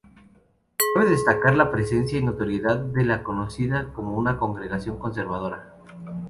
Cabe destacar la presencia y notoriedad de la conocida como una congregación conservadora.